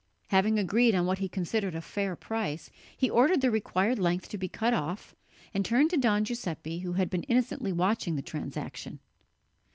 Having agreed on what he considered a fair price, he ordered the required length to be cut off, and turned to Don Giuseppe who had been innocently watching the transaction.